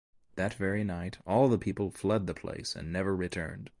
That very night all the people fled the place and never returned.